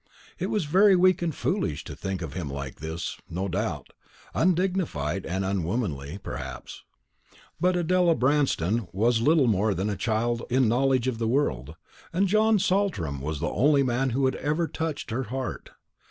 It was very weak and foolish to think of him like this, no doubt; undignified and unwomanly, perhaps; but Adela Branston was little more than a child in knowledge of the world, and John Saltram was the only man who had ever touched her heart.